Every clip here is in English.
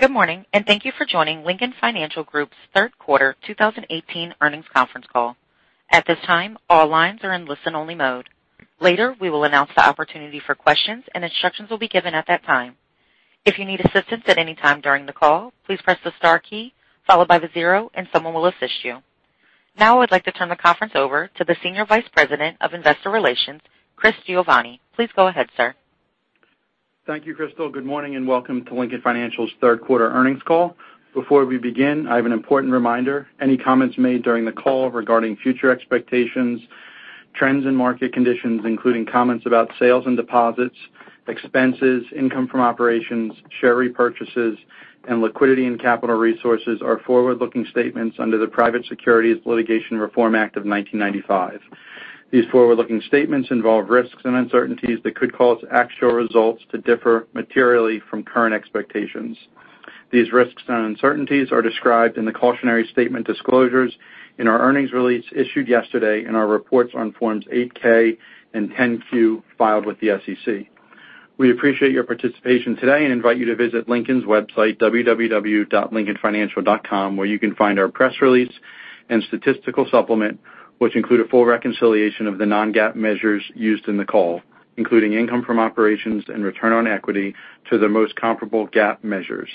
Good morning. Thank you for joining Lincoln Financial Group's third quarter 2018 earnings conference call. At this time, all lines are in listen-only mode. Later, we will announce the opportunity for questions, and instructions will be given at that time. If you need assistance at any time during the call, please press the star key followed by the zero and someone will assist you. I would like to turn the conference over to the Senior Vice President of Investor Relations, Chris Giovanni. Please go ahead, sir. Thank you, Crystal. Good morning and welcome to Lincoln Financial's third quarter earnings call. Before we begin, I have an important reminder. Any comments made during the call regarding future expectations, trends and market conditions, including comments about sales and deposits, expenses, income from operations, share repurchases, and liquidity and capital resources are forward-looking statements under the Private Securities Litigation Reform Act of 1995. These forward-looking statements involve risks and uncertainties that could cause actual results to differ materially from current expectations. These risks and uncertainties are described in the cautionary statement disclosures in our earnings release issued yesterday in our reports on forms 8-K and 10-Q filed with the SEC. We appreciate your participation today and invite you to visit Lincoln's website, www.lincolnfinancial.com, where you can find our press release and statistical supplement, which include a full reconciliation of the non-GAAP measures used in the call, including income from operations and return on equity to the most comparable GAAP measures.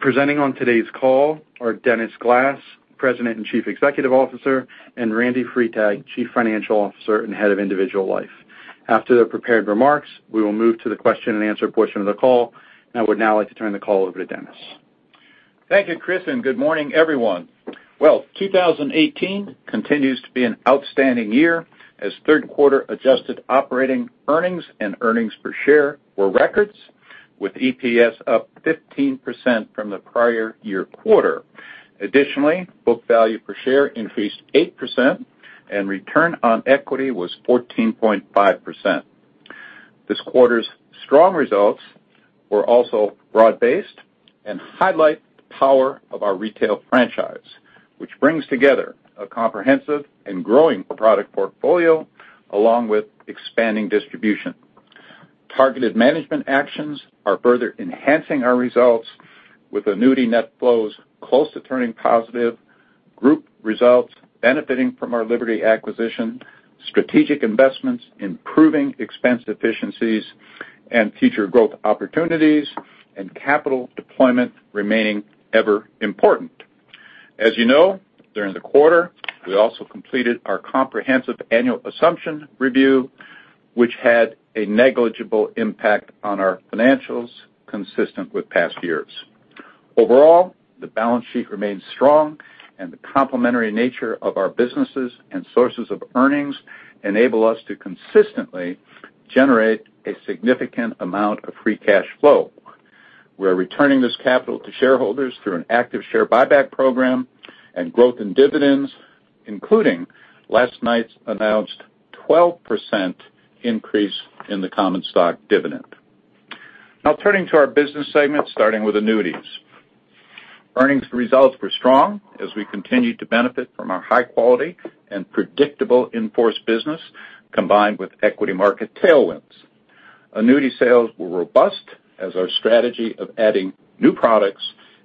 Presenting on today's call are Dennis Glass, President and Chief Executive Officer, and Randy Freitag, Chief Financial Officer and Head of Individual Life. After the prepared remarks, we will move to the question and answer portion of the call. I would like to turn the call over to Dennis. Thank you, Chris, and good morning, everyone. 2018 continues to be an outstanding year as third quarter adjusted operating earnings and earnings per share were records, with EPS up 15% from the prior year quarter. Additionally, book value per share increased 8% and return on equity was 14.5%. This quarter's strong results were also broad-based and highlight the power of our retail franchise, which brings together a comprehensive and growing product portfolio along with expanding distribution. Targeted management actions are further enhancing our results with annuity net flows close to turning positive, group results benefiting from our Liberty acquisition, strategic investments improving expense efficiencies, and future growth opportunities and capital deployment remaining ever important. As you know, during the quarter, we also completed our comprehensive annual assumption review, which had a negligible impact on our financials consistent with past years. Overall, the balance sheet remains strong and the complementary nature of our businesses and sources of earnings enable us to consistently generate a significant amount of free cash flow. We're returning this capital to shareholders through an active share buyback program and growth in dividends, including last night's announced 12% increase in the common stock dividend. Turning to our business segments, starting with annuities. Earnings results were strong as we continued to benefit from our high quality and predictable in-force business, combined with equity market tailwinds. Annuity sales were robust as our strategy of adding new products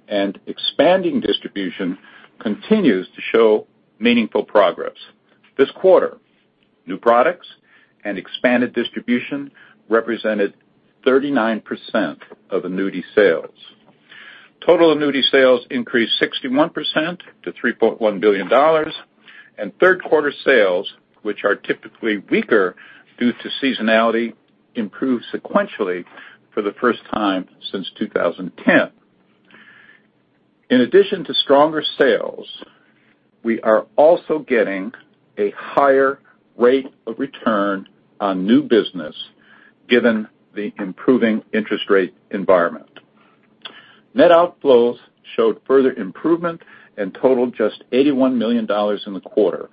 and expanding distribution continues to show meaningful progress. This quarter, new products and expanded distribution represented 39% of annuity sales. Total annuity sales increased 61% to $3.1 billion. Third quarter sales, which are typically weaker due to seasonality, improved sequentially for the first time since 2010. In addition to stronger sales, we are also getting a higher rate of return on new business given the improving interest rate environment. Net outflows showed further improvement and totaled just $81 million in the quarter.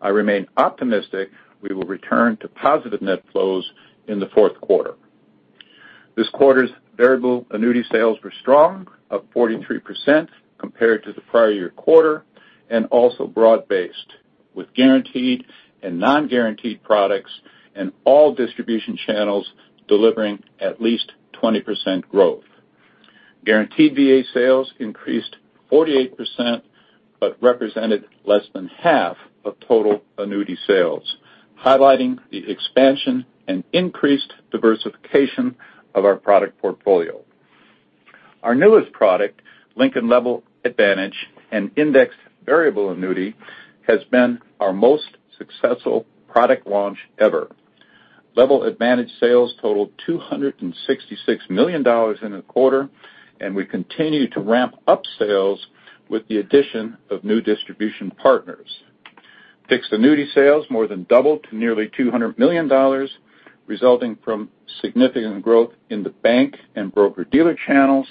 I remain optimistic we will return to positive net flows in the fourth quarter. This quarter's variable annuity sales were strong, up 43% compared to the prior year quarter, also broad-based, with guaranteed and non-guaranteed products and all distribution channels delivering at least 20% growth. Guaranteed VA sales increased 48%, represented less than half of total annuity sales, highlighting the expansion and increased diversification of our product portfolio. Our newest product, Lincoln Level Advantage, an indexed variable annuity, has been our most successful product launch ever. Level Advantage sales totaled $266 million in the quarter. We continue to ramp up sales with the addition of new distribution partners. Fixed annuity sales more than doubled to nearly $200 million, resulting from significant growth in the bank and broker-dealer channels.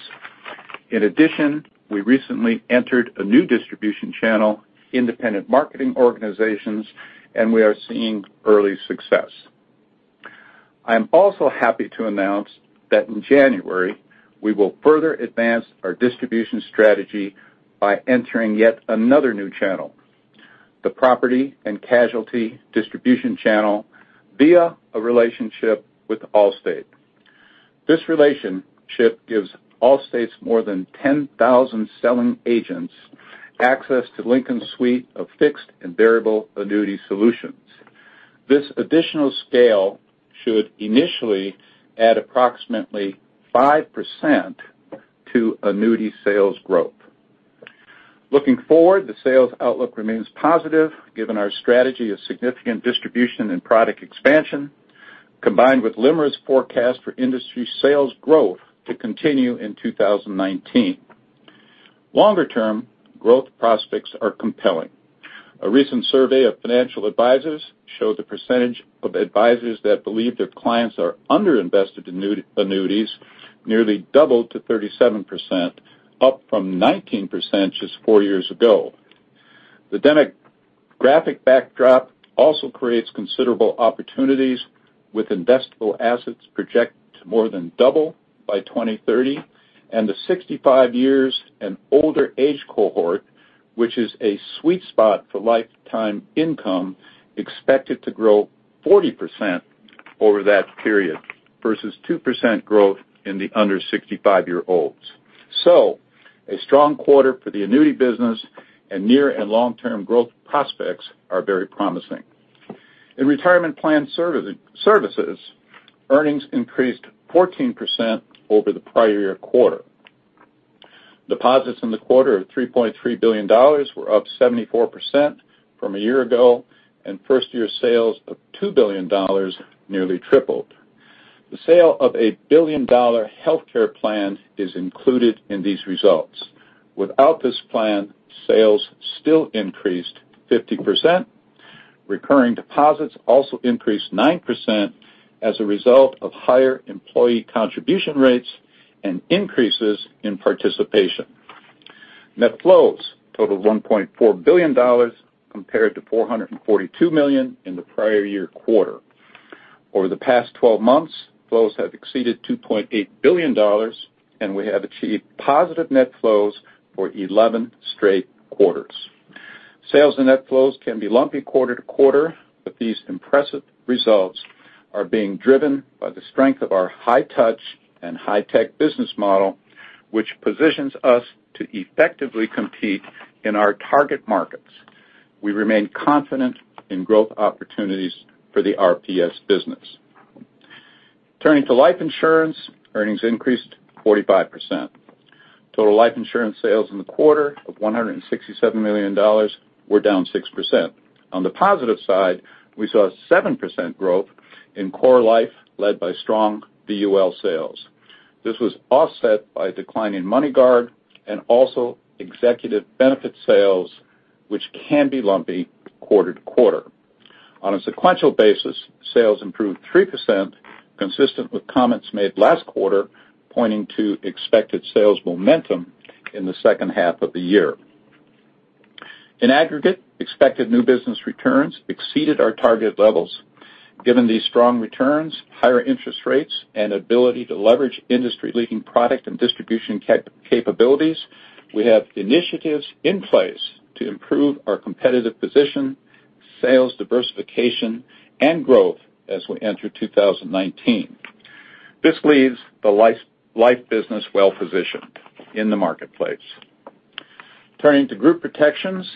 In addition, we recently entered a new distribution channel, independent marketing organizations. We are seeing early success. I'm also happy to announce that in January, we will further advance our distribution strategy by entering yet another new channel, the property and casualty distribution channel via a relationship with Allstate. This relationship gives Allstate's more than 10,000 selling agents access to Lincoln's suite of fixed and variable annuity solutions. This additional scale should initially add approximately 5% to annuity sales growth. Looking forward, the sales outlook remains positive given our strategy of significant distribution and product expansion, combined with LIMRA's forecast for industry sales growth to continue in 2019. Longer-term growth prospects are compelling. A recent survey of financial advisors showed the percentage of advisors that believe their clients are under-invested in annuities nearly doubled to 37%, up from 19% just four years ago. The demographic backdrop also creates considerable opportunities with investable assets projected to more than double by 2030. The 65 years and older age cohort, which is a sweet spot for lifetime income, expected to grow 40% over that period versus 2% growth in the under 65-year-olds. A strong quarter for the annuity business and near and long-term growth prospects are very promising. In retirement plan services, earnings increased 14% over the prior year quarter. Deposits in the quarter of $3.3 billion were up 74% from a year ago. First-year sales of $2 billion nearly tripled. The sale of a billion-dollar healthcare plan is included in these results. Without this plan, sales still increased 50%. Recurring deposits also increased 9% as a result of higher employee contribution rates and increases in participation. Net flows total $1.4 billion compared to $442 million in the prior year quarter. Over the past 12 months, flows have exceeded $2.8 billion, and we have achieved positive net flows for 11 straight quarters. Sales and net flows can be lumpy quarter to quarter, but these impressive results are being driven by the strength of our high touch and high-tech business model, which positions us to effectively compete in our target markets. We remain confident in growth opportunities for the RPS business. Turning to life insurance, earnings increased 45%. Total life insurance sales in the quarter of $167 million were down 6%. On the positive side, we saw a 7% growth in core life led by strong BUL sales. This was offset by a decline in MoneyGuard and also executive benefit sales, which can be lumpy quarter to quarter. On a sequential basis, sales improved 3%, consistent with comments made last quarter, pointing to expected sales momentum in the second half of the year. In aggregate, expected new business returns exceeded our target levels. Given these strong returns, higher interest rates, and ability to leverage industry-leading product and distribution capabilities, we have initiatives in place to improve our competitive position, sales diversification, and growth as we enter 2019. This leaves the life business well-positioned in the marketplace. Turning to group protections,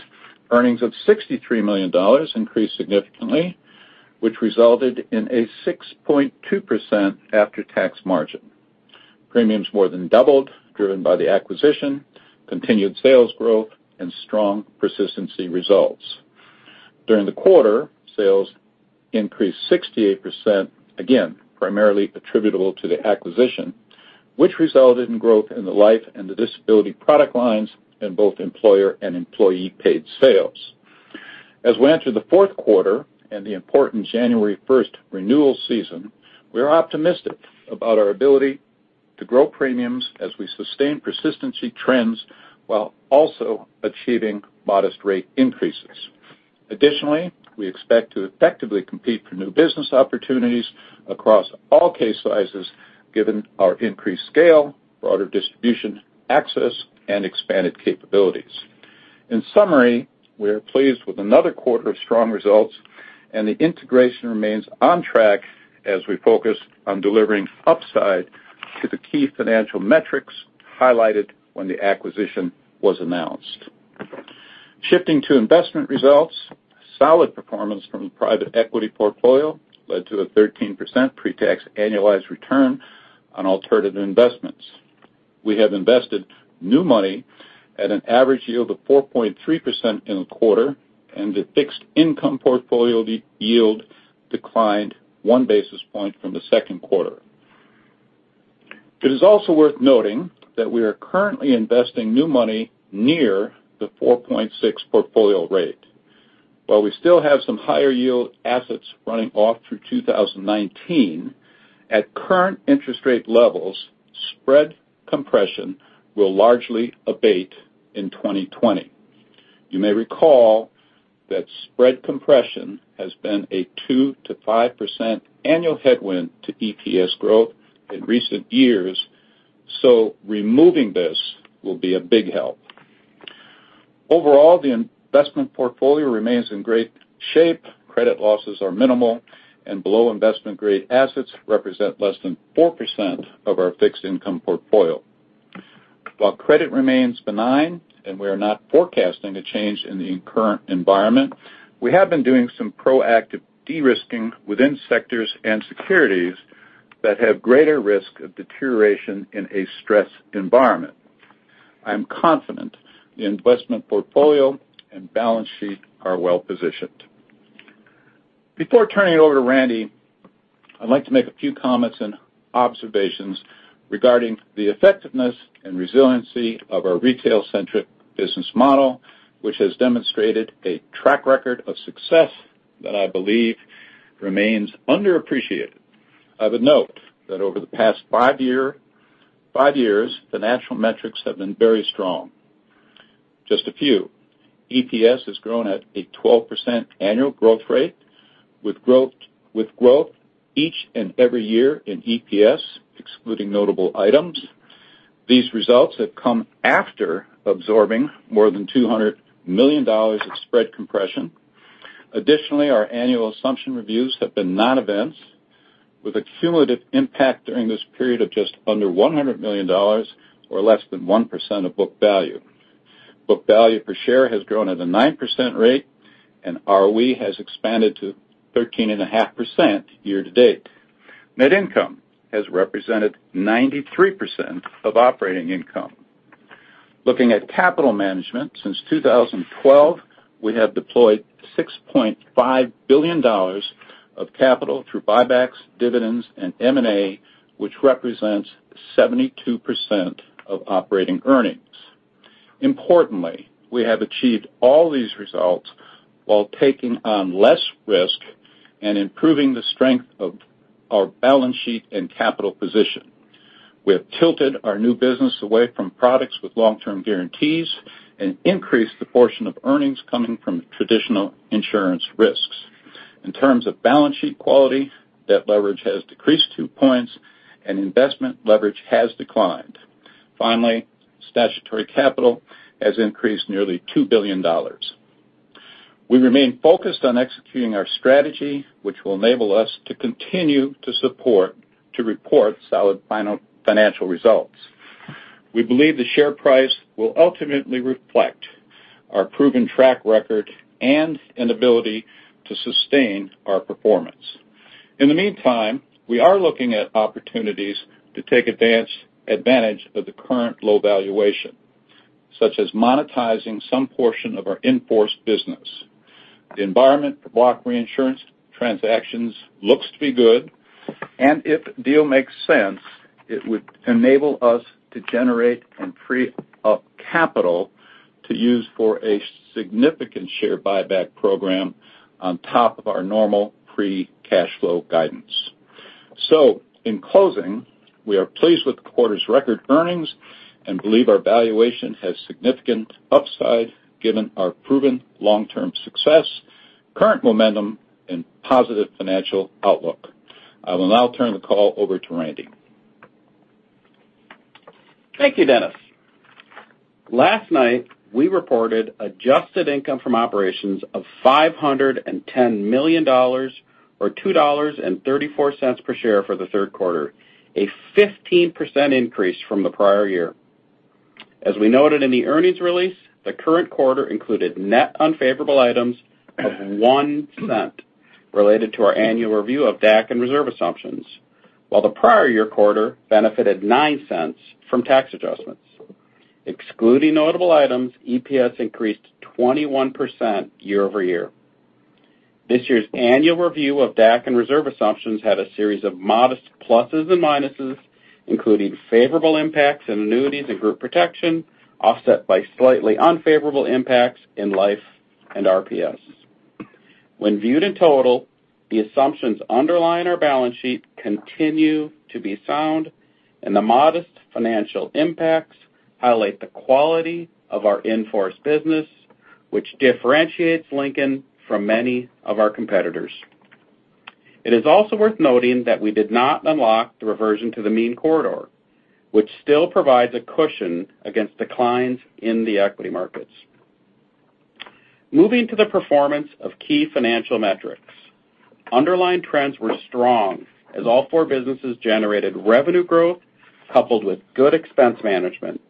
earnings of $63 million increased significantly, which resulted in a 6.2% after-tax margin. Premiums more than doubled, driven by the acquisition, continued sales growth, and strong persistency results. During the quarter, sales increased 68%, again, primarily attributable to the acquisition, which resulted in growth in the life and the disability product lines in both employer and employee-paid sales. As we enter the fourth quarter and the important January 1st renewal season, we are optimistic about our ability to grow premiums as we sustain persistency trends while also achieving modest rate increases. Additionally, we expect to effectively compete for new business opportunities across all case sizes given our increased scale, broader distribution access, and expanded capabilities. In summary, we are pleased with another quarter of strong results, and the integration remains on track as we focus on delivering upside to the key financial metrics highlighted when the acquisition was announced. Shifting to investment results, solid performance from the private equity portfolio led to a 13% pre-tax annualized return on alternative investments. We have invested new money at an average yield of 4.3% in the quarter, and the fixed income portfolio yield declined one basis point from the second quarter. It is also worth noting that we are currently investing new money near the 4.6 portfolio rate. While we still have some higher yield assets running off through 2019, at current interest rate levels, spread compression will largely abate in 2020. You may recall that spread compression has been a 2% to 5% annual headwind to EPS growth in recent years. Removing this will be a big help. Overall, the investment portfolio remains in great shape. Credit losses are minimal, and below investment-grade assets represent less than 4% of our fixed income portfolio. While credit remains benign and we are not forecasting a change in the current environment, we have been doing some proactive de-risking within sectors and securities that have greater risk of deterioration in a stress environment. I am confident the investment portfolio and balance sheet are well-positioned. Before turning it over to Randy, I'd like to make a few comments and observations regarding the effectiveness and resiliency of our retail-centric business model, which has demonstrated a track record of success that I believe remains underappreciated. I would note that over the past five years, the national metrics have been very strong. Just a few. EPS has grown at a 12% annual growth rate, with growth each and every year in EPS, excluding notable items. These results have come after absorbing more than $200 million of spread compression. Our annual assumption reviews have been non-events with a cumulative impact during this period of just under $100 million or less than 1% of book value. Book value per share has grown at a 9% rate, and ROE has expanded to 13.5% year-to-date. Net income has represented 93% of operating income. Looking at capital management, since 2012, we have deployed $6.5 billion of capital through buybacks, dividends, and M&A, which represents 72% of operating earnings. Importantly, we have achieved all these results while taking on less risk and improving the strength of our balance sheet and capital position. We have tilted our new business away from products with long-term guarantees and increased the portion of earnings coming from traditional insurance risks. In terms of balance sheet quality, debt leverage has decreased two points and investment leverage has declined. Finally, statutory capital has increased nearly $2 billion. We remain focused on executing our strategy, which will enable us to continue to report solid financial results. We believe the share price will ultimately reflect our proven track record and an ability to sustain our performance. In the meantime, we are looking at opportunities to take advantage of the current low valuation, such as monetizing some portion of our in-force business. The environment for block reinsurance transactions looks to be good, and if a deal makes sense, it would enable us to generate and free up capital to use for a significant share buyback program on top of our normal free cash flow guidance. In closing, we are pleased with the quarter's record earnings and believe our valuation has significant upside given our proven long-term success, current momentum, and positive financial outlook. I will now turn the call over to Randy. Thank you, Dennis. Last night, we reported adjusted income from operations of $510 million, or $2.34 per share for the third quarter, a 15% increase from the prior year. As we noted in the earnings release, the current quarter included net unfavorable items of $0.01 related to our annual review of DAC and reserve assumptions. While the prior year quarter benefited $0.09 from tax adjustments. Excluding notable items, EPS increased 21% year-over-year. This year's annual review of DAC and reserve assumptions had a series of modest pluses and minuses, including favorable impacts in annuities and group protection, offset by slightly unfavorable impacts in life and RPS. When viewed in total, the assumptions underlying our balance sheet continue to be sound, and the modest financial impacts highlight the quality of our in-force business, which differentiates Lincoln from many of our competitors. It is also worth noting that we did not unlock the reversion to the mean corridor, which still provides a cushion against declines in the equity markets. Moving to the performance of key financial metrics. Underlying trends were strong as all four businesses generated revenue growth coupled with good expense management,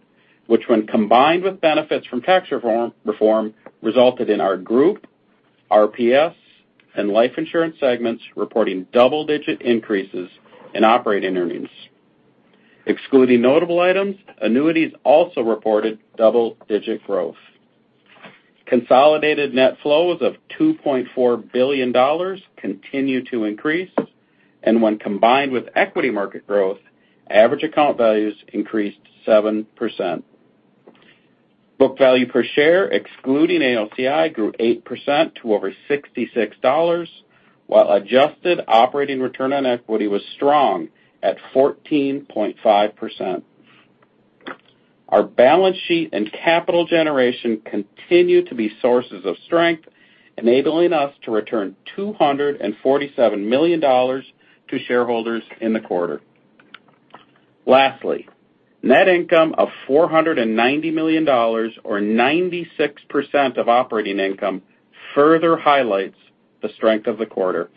which when combined with benefits from tax reform, resulted in our group, RPS, and life insurance segments reporting double-digit increases in operating earnings. Excluding notable items, annuities also reported double-digit growth. Consolidated net flows of $2.4 billion continue to increase, and when combined with equity market growth, average account values increased 7%. Book value per share, excluding AOCI, grew 8% to over $66, while adjusted operating return on equity was strong at 14.5%. Our balance sheet and capital generation continue to be sources of strength, enabling us to return $247 million to shareholders in the quarter. Net income of $490 million, or 96% of operating income, further highlights the strength of the quarter.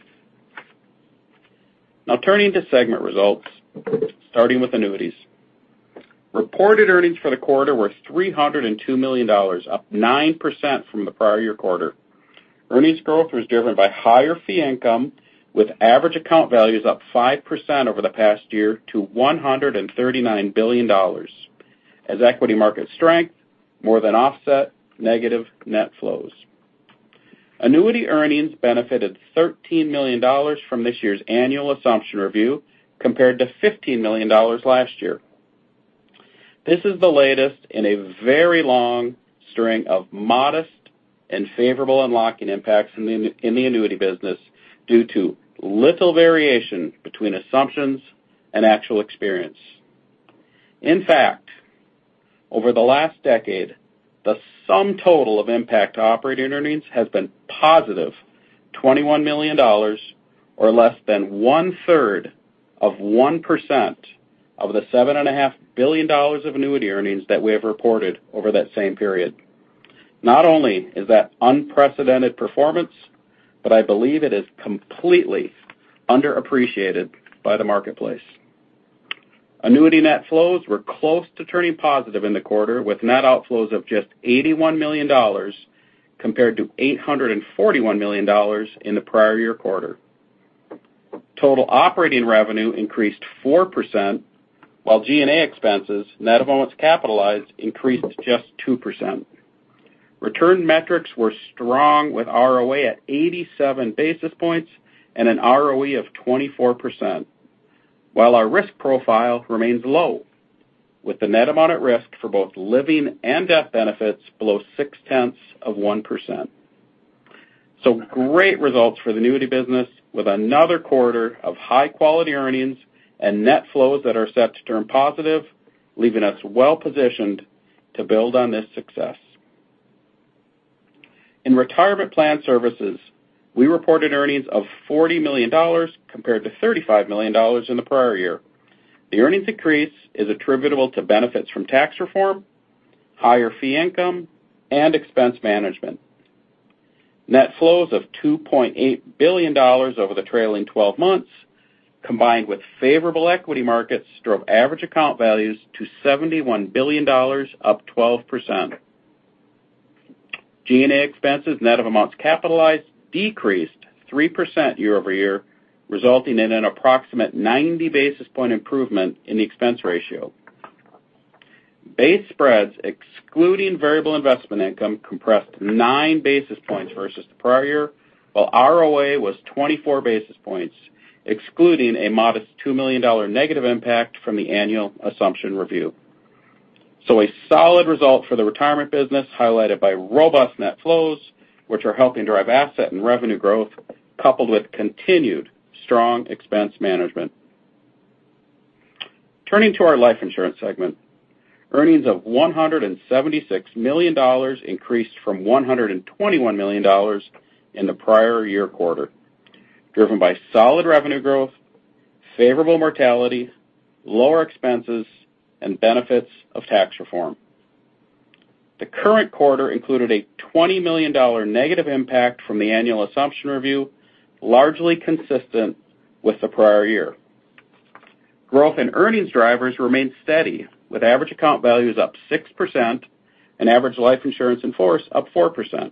Turning to segment results, starting with annuities. Reported earnings for the quarter were $302 million, up 9% from the prior year quarter. Earnings growth was driven by higher fee income, with average account values up 5% over the past year to $139 billion, as equity market strength more than offset negative net flows. Annuity earnings benefited $13 million from this year's annual assumption review, compared to $15 million last year. This is the latest in a very long string of modest and favorable unlocking impacts in the annuity business due to little variation between assumptions and actual experience. Over the last decade, the sum total of impact to operating earnings has been positive $21 million, or less than one-third of 1% of the $7.5 billion of annuity earnings that we have reported over that same period. That is unprecedented performance, but I believe it is completely underappreciated by the marketplace. Annuity net flows were close to turning positive in the quarter, with net outflows of just $81 million, compared to $841 million in the prior year quarter. Total operating revenue increased 4%, while G&A expenses, net of amounts capitalized, increased just 2%. Return metrics were strong, with ROA at 87 basis points and an ROE of 24%, while our risk profile remains low, with the net amount at risk for both living and death benefits below six-tenths of 1%. Great results for the annuity business, with another quarter of high-quality earnings and net flows that are set to turn positive, leaving us well-positioned to build on this success. In retirement plan services, we reported earnings of $40 million, compared to $35 million in the prior year. The earnings increase is attributable to benefits from tax reform, higher fee income, and expense management. Net flows of $2.8 billion over the trailing 12 months, combined with favorable equity markets, drove average account values to $71 billion, up 12%. G&A expenses, net of amounts capitalized, decreased 3% year-over-year, resulting in an approximate 90 basis point improvement in the expense ratio. Base spreads excluding variable investment income compressed nine basis points versus the prior year, while ROA was 24 basis points, excluding a modest $2 million negative impact from the annual assumption review. A solid result for the retirement business, highlighted by robust net flows, which are helping drive asset and revenue growth, coupled with continued strong expense management. Turning to our Life Insurance segment, earnings of $176 million increased from $121 million in the prior year quarter, driven by solid revenue growth, favorable mortality, lower expenses, and benefits of tax reform. The current quarter included a $20 million negative impact from the annual assumption review, largely consistent with the prior year. Growth in earnings drivers remained steady, with average account values up 6% and average life insurance in force up 4%.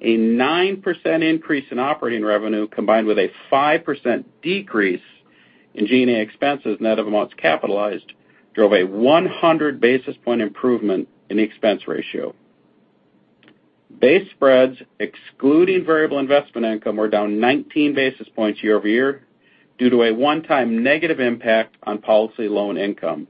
A 9% increase in operating revenue, combined with a 5% decrease in G&A expenses, net of amounts capitalized, drove a 100 basis point improvement in the expense ratio. Base spreads excluding variable investment income were down 19 basis points year-over-year due to a one-time negative impact on policy loan income.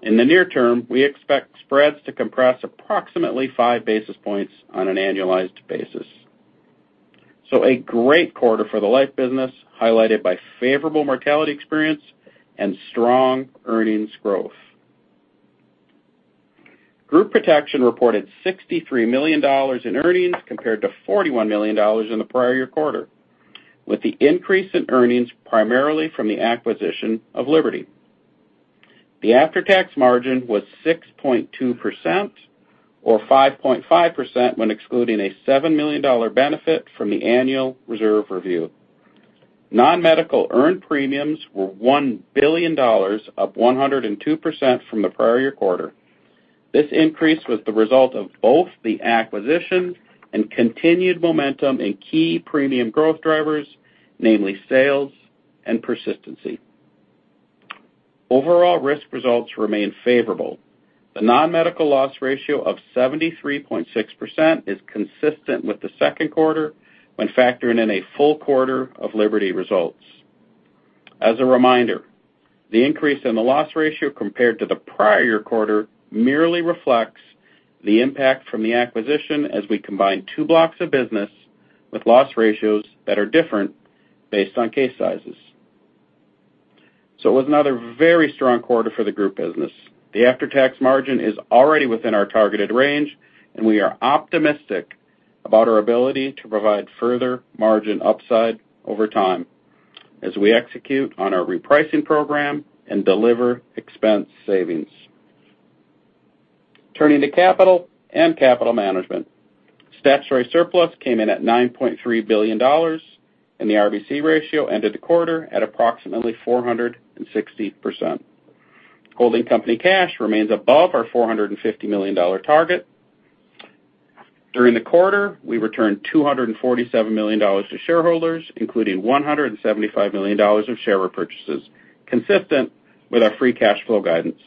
In the near term, we expect spreads to compress approximately five basis points on an annualized basis. A great quarter for the life business, highlighted by favorable mortality experience and strong earnings growth. Group Protection reported $63 million in earnings, compared to $41 million in the prior year quarter, with the increase in earnings primarily from the acquisition of Liberty. The after-tax margin was 6.2%, or 5.5% when excluding a $7 million benefit from the annual reserve review. Non-medical earned premiums were $1 billion, up 102% from the prior year quarter. This increase was the result of both the acquisition and continued momentum in key premium growth drivers, namely sales and persistency. Overall risk results remain favorable. The non-medical loss ratio of 73.6% is consistent with the second quarter when factoring in a full quarter of Liberty results. As a reminder, the increase in the loss ratio compared to the prior year quarter merely reflects the impact from the acquisition as we combine two blocks of business with loss ratios that are different based on case sizes. It was another very strong quarter for the group business. The after-tax margin is already within our targeted range, and we are optimistic about our ability to provide further margin upside over time as we execute on our repricing program and deliver expense savings. Turning to capital and capital management. Statutory surplus came in at $9.3 billion, and the RBC ratio ended the quarter at approximately 460%. Holding company cash remains above our $450 million target. During the quarter, we returned $247 million to shareholders, including $175 million of share repurchases, consistent with our free cash flow guidance.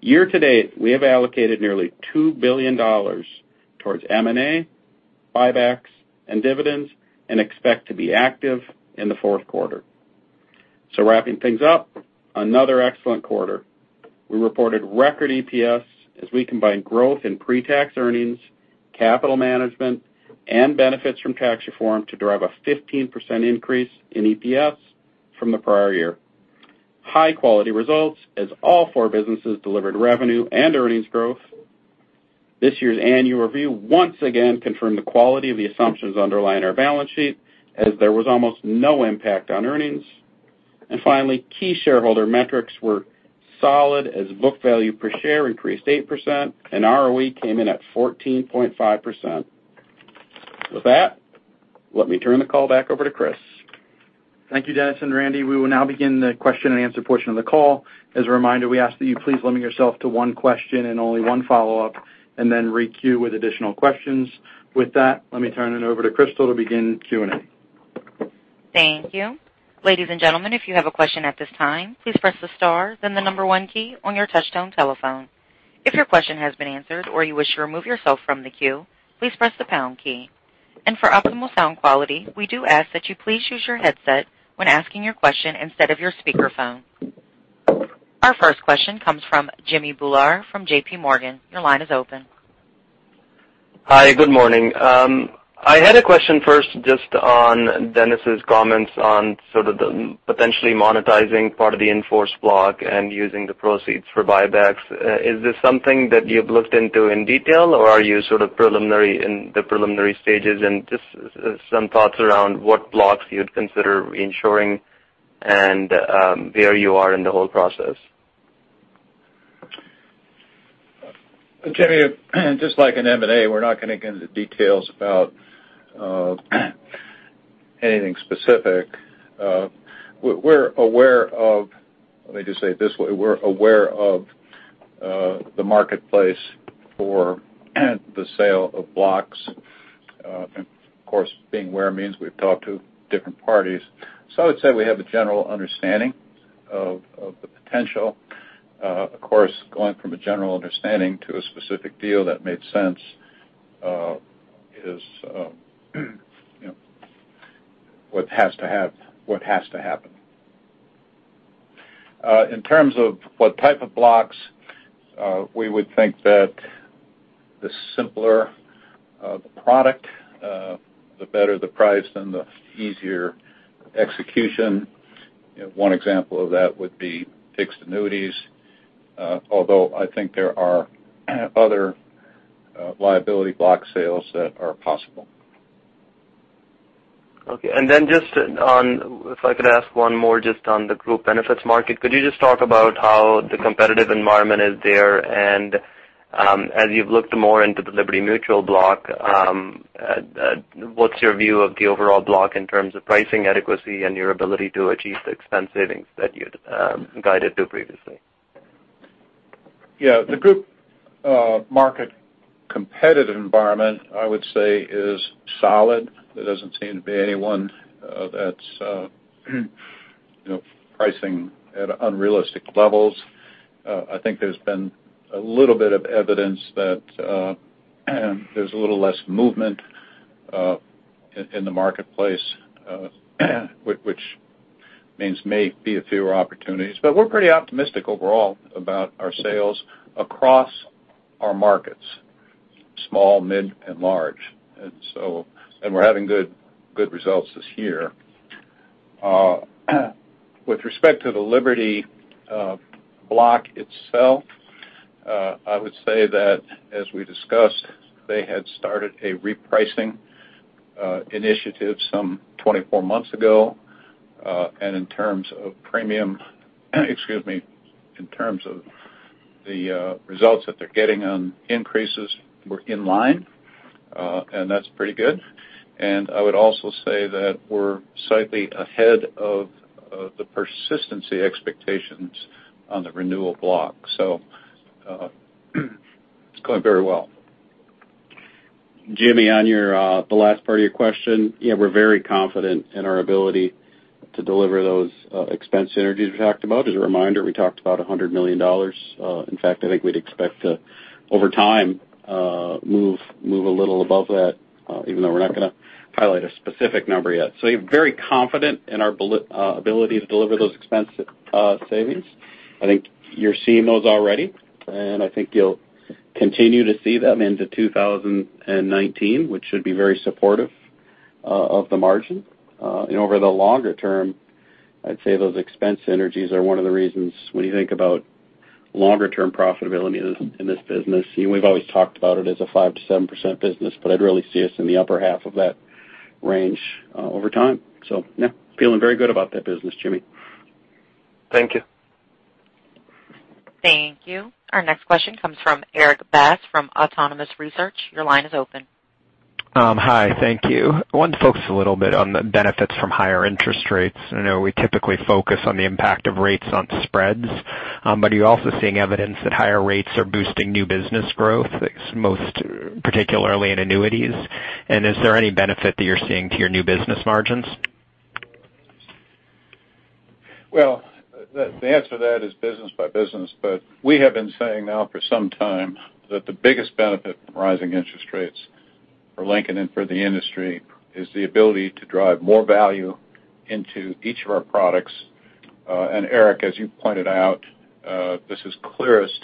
Year to date, we have allocated nearly $2 billion towards M&A, buybacks, and dividends, and expect to be active in the fourth quarter. Wrapping things up, another excellent quarter. We reported record EPS as we combine growth in pre-tax earnings, capital management, and benefits from tax reform to drive a 15% increase in EPS from the prior year. High-quality results as all four businesses delivered revenue and earnings growth. This year's annual review once again confirmed the quality of the assumptions underlying our balance sheet, as there was almost no impact on earnings. Finally, key shareholder metrics were solid as book value per share increased 8% and ROE came in at 14.5%. With that, let me turn the call back over to Chris. Thank you, Dennis and Randy. We will now begin the question and answer portion of the call. As a reminder, we ask that you please limit yourself to one question and only one follow-up, and then re-queue with additional questions. With that, let me turn it over to Crystal to begin Q&A. Thank you. Ladies and gentlemen, if you have a question at this time, please press the star, then the number one key on your touchtone telephone. If your question has been answered or you wish to remove yourself from the queue, please press the pound key. For optimal sound quality, we do ask that you please use your headset when asking your question instead of your speakerphone. Our first question comes from Jimmy Bhoola from JP Morgan. Your line is open. Hi, good morning. I had a question first just on Dennis's comments on sort of the potentially monetizing part of the in-force block and using the proceeds for buybacks. Is this something that you've looked into in detail, or are you sort of in the preliminary stages? Just some thoughts around what blocks you'd consider insuring and where you are in the whole process. Jimmy, just like in M&A, we're not going to get into details about anything specific. We're aware of, let me just say it this way, we're aware of the marketplace for the sale of blocks. Of course, being aware means we've talked to different parties. I would say we have a general understanding of the potential. Of course, going from a general understanding to a specific deal that made sense is what has to happen. In terms of what type of blocks, we would think that the simpler the product, the better the price and the easier execution. One example of that would be fixed annuities, although I think there are other liability block sales that are possible. Okay. Then if I could ask one more just on the group benefits market, could you just talk about how the competitive environment is there? As you've looked more into the Liberty Mutual block, what's your view of the overall block in terms of pricing adequacy and your ability to achieve the expense savings that you'd guided to previously? Yeah. The group market competitive environment, I would say, is solid. There doesn't seem to be anyone that's pricing at unrealistic levels. I think there's been a little bit of evidence that there's a little less movement in the marketplace, which means may be a fewer opportunities. We're pretty optimistic overall about our sales across our markets, small, mid, and large. We're having good results this year. With respect to the Liberty block itself, I would say that as we discussed, they had started a repricing initiative some 24 months ago. In terms of the results that they're getting on increases were in line, and that's pretty good. I would also say that we're slightly ahead of the persistency expectations on the renewal block. It's going very well. Jimmy, on the last part of your question, we're very confident in our ability to deliver those expense synergies we talked about. As a reminder, we talked about $100 million. In fact, I think we'd expect to, over time, move a little above that, even though we're not going to highlight a specific number yet. Very confident in our ability to deliver those expense savings I think you're seeing those already, and I think you'll continue to see them into 2019, which should be very supportive of the margin. Over the longer term, I'd say those expense synergies are one of the reasons when you think about longer-term profitability in this business. We've always talked about it as a 5%-7% business, but I'd really see us in the upper half of that range over time. Feeling very good about that business, Jimmy. Thank you. Thank you. Our next question comes from Erik Bass from Autonomous Research. Your line is open. Hi. Thank you. I wanted to focus a little bit on the benefits from higher interest rates. I know we typically focus on the impact of rates on spreads, but are you also seeing evidence that higher rates are boosting new business growth, most particularly in annuities? Is there any benefit that you're seeing to your new business margins? Well, the answer to that is business by business, but we have been saying now for some time that the biggest benefit from rising interest rates for Lincoln and for the industry is the ability to drive more value into each of our products. Erik, as you pointed out, this is clearest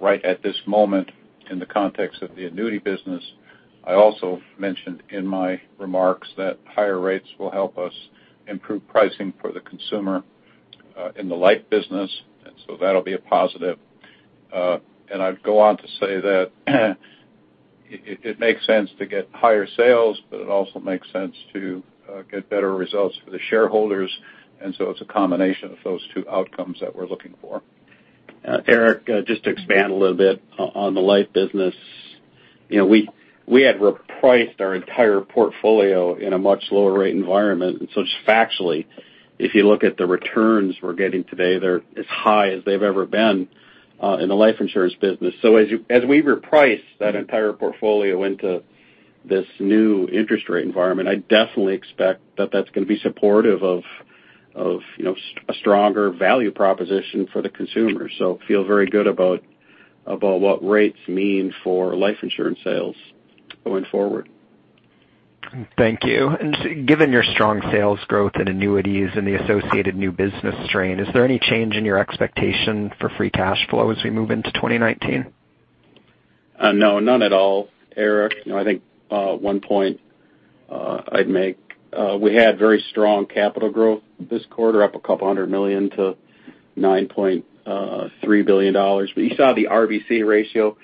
right at this moment in the context of the annuity business. I also mentioned in my remarks that higher rates will help us improve pricing for the consumer in the life business, that'll be a positive. I'd go on to say that it makes sense to get higher sales, but it also makes sense to get better results for the shareholders. It's a combination of those two outcomes that we're looking for. Erik, just to expand a little bit on the life business. We had repriced our entire portfolio in a much lower rate environment, just factually, if you look at the returns we're getting today, they're as high as they've ever been in the life insurance business. As we reprice that entire portfolio into this new interest rate environment, I definitely expect that that's going to be supportive of a stronger value proposition for the consumer. Feel very good about what rates mean for life insurance sales going forward. Thank you. Given your strong sales growth in annuities and the associated new business strain, is there any change in your expectation for free cash flow as we move into 2019? No, none at all, Erik. I think one point I'd make, we had very strong capital growth this quarter, up a couple of hundred million to $9.3 billion. You saw the RBC ratio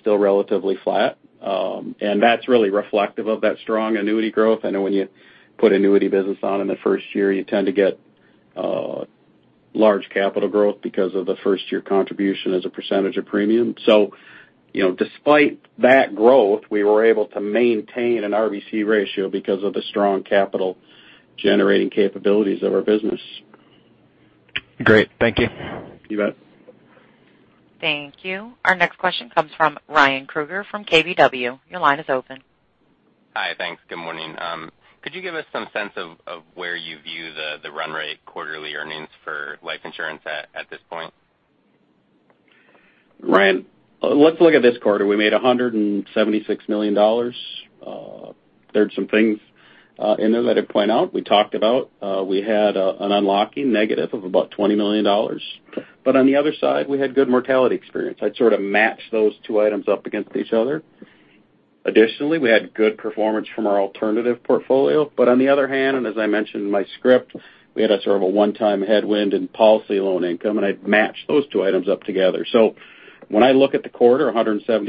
still relatively flat. That's really reflective of that strong annuity growth. I know when you put annuity business on in the first year, you tend to get large capital growth because of the first-year contribution as a percentage of premium. Despite that growth, we were able to maintain an RBC ratio because of the strong capital generating capabilities of our business. Great. Thank you. You bet. Thank you. Our next question comes from Ryan Krueger from KBW. Your line is open. Hi. Thanks. Good morning. Could you give us some sense of where you view the run rate quarterly earnings for life insurance at this point? Ryan, let's look at this quarter. We made $176 million. There's some things in there that I'd point out. We talked about we had an unlocking negative of about $20 million. On the other side, we had good mortality experience. I'd sort of match those two items up against each other. Additionally, we had good performance from our alternative portfolio. On the other hand, as I mentioned in my script, we had a sort of a one-time headwind in policy loan income, and I'd match those two items up together. When I look at the quarter, $176,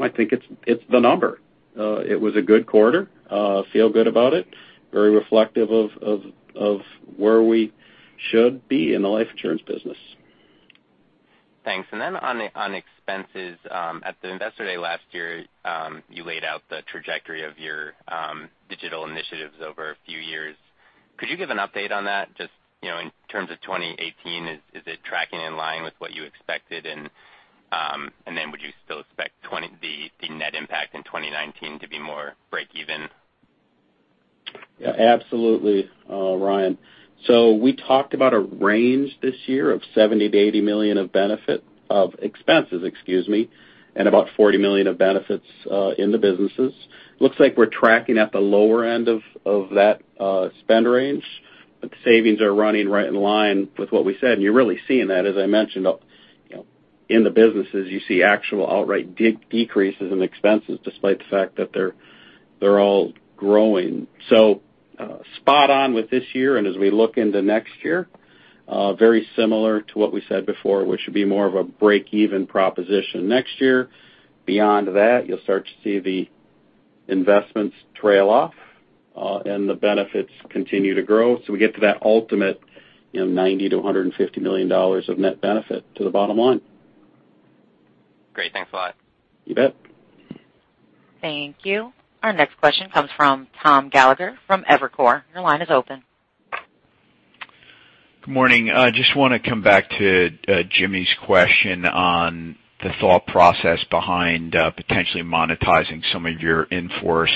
I think it's the number. It was a good quarter. Feel good about it. Very reflective of where we should be in the life insurance business. Thanks. On expenses, at the Investor Day last year, you laid out the trajectory of your digital initiatives over a few years. Could you give an update on that? Just in terms of 2018, is it tracking in line with what you expected? Would you still expect the net impact in 2019 to be more break even? Yeah, absolutely, Ryan. We talked about a range this year of $70 million-$80 million of benefit of expenses, excuse me, and about $40 million of benefits in the businesses. Looks like we're tracking at the lower end of that spend range, but the savings are running right in line with what we said. You're really seeing that as I mentioned, in the businesses, you see actual outright decreases in expenses despite the fact that they're all growing. Spot on with this year, and as we look into next year, very similar to what we said before, which should be more of a break-even proposition next year. Beyond that, you'll start to see the investments trail off, and the benefits continue to grow. We get to that ultimate $90 million-$150 million of net benefit to the bottom line. Great. Thanks a lot. You bet. Thank you. Our next question comes from Tom Gallagher from Evercore. Your line is open. Good morning. Just want to come back to Jimmy's question on the thought process behind potentially monetizing some of your in-force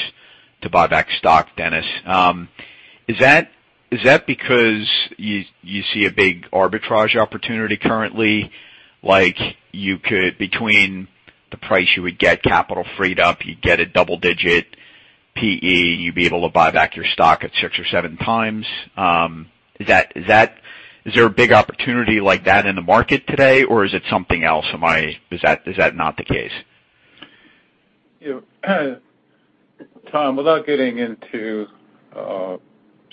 to buy back stock, Dennis. Is that because you see a big arbitrage opportunity currently? Like between the price you would get capital freed up, you'd get a double-digit PE, you'd be able to buy back your stock at six or seven times. Is there a big opportunity like that in the market today or is it something else? Is that not the case? Tom, without getting into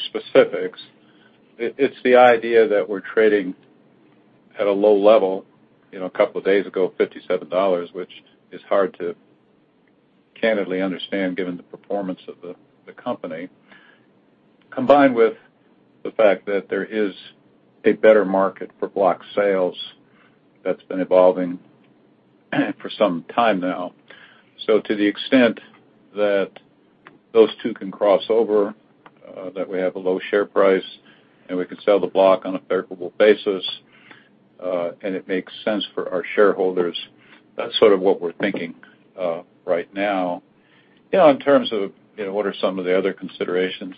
specifics, it's the idea that we're trading at a low level, a couple of days ago, $57, which is hard to candidly understand given the performance of the company, combined with the fact that there is a better market for block sales that's been evolving for some time now. To the extent that those two can cross over, that we have a low share price, and we can sell the block on a favorable basis, and it makes sense for our shareholders, that's sort of what we're thinking right now. In terms of what are some of the other considerations,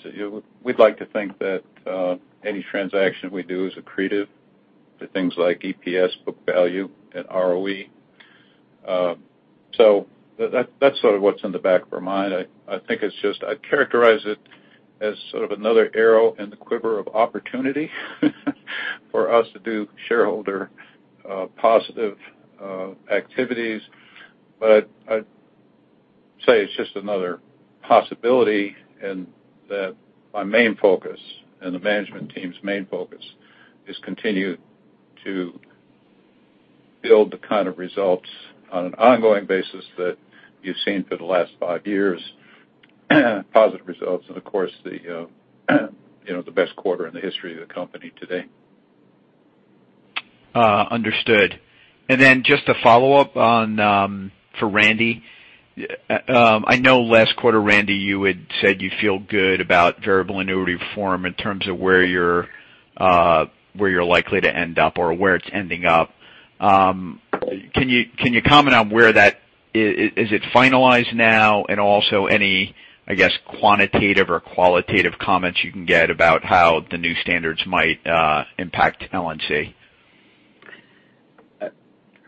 we'd like to think that any transaction we do is accretive to things like EPS, book value, and ROE. That's sort of what's in the back of our mind. I think I'd characterize it as sort of another arrow in the quiver of opportunity for us to do shareholder positive activities. I'd say it's just another possibility, and that my main focus, and the management team's main focus is continue to build the kind of results on an ongoing basis that you've seen for the last five years, positive results, and of course, the best quarter in the history of the company to date. Understood. Just a follow-up for Randy. I know last quarter, Randy, you had said you feel good about variable annuity reform in terms of where you're likely to end up or where it's ending up. Can you comment on where is it finalized now? Also any, I guess, quantitative or qualitative comments you can get about how the new standards might impact LNC?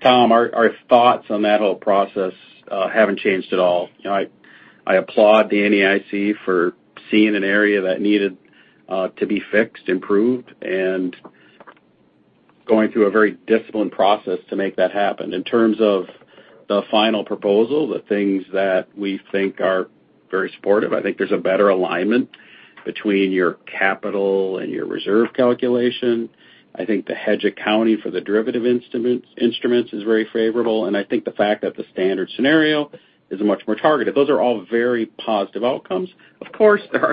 Tom, our thoughts on that whole process haven't changed at all. I applaud the NAIC for seeing an area that needed to be fixed, improved, and going through a very disciplined process to make that happen. In terms of the final proposal, the things that we think are very supportive, I think there's a better alignment between your capital and your reserve calculation. I think the hedge accounting for the derivative instruments is very favorable, and I think the fact that the standard scenario is much more targeted. Those are all very positive outcomes. For instance,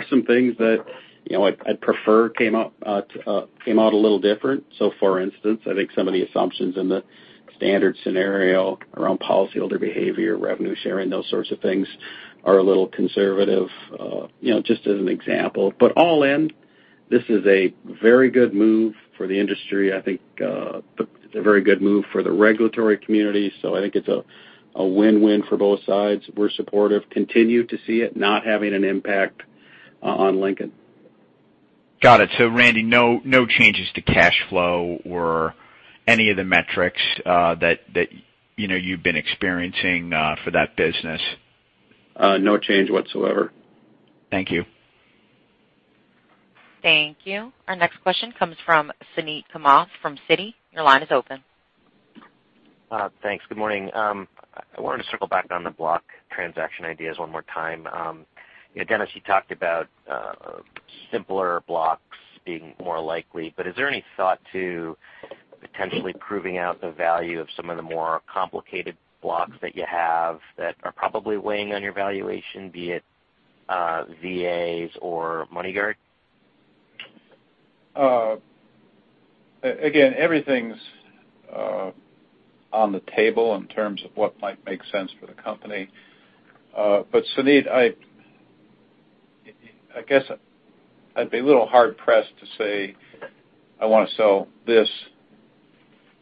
I think some of the assumptions in the standard scenario around policyholder behavior, revenue sharing, those sorts of things are a little conservative, just as an example. All in, this is a very good move for the industry. I think a very good move for the regulatory community. I think it's a win-win for both sides. We're supportive. Continue to see it not having an impact on Lincoln. Got it. Randy, no changes to cash flow or any of the metrics that you've been experiencing for that business. No change whatsoever. Thank you. Thank you. Our next question comes from Suneet Kamath from Citi. Your line is open. Thanks. Good morning. I wanted to circle back on the block transaction ideas one more time. Dennis, you talked about simpler blocks being more likely, but is there any thought to potentially proving out the value of some of the more complicated blocks that you have that are probably weighing on your valuation, be it VAs or MoneyGuard? Again, everything's on the table in terms of what might make sense for the company. Suneet, I guess I'd be a little hard-pressed to say I want to sell this